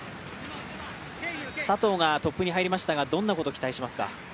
佐藤がトップに入りましたが、どんなことを期待しますか。